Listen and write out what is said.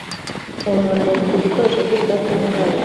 uwo muntu ahinduka igikoresho cy’ibidatunganye